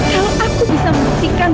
kalau aku bisa membuktikan